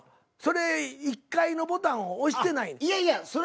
それ１階のボタンを押してないねん。